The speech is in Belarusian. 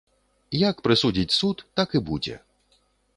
Як прысудзіць суд, так і будзе.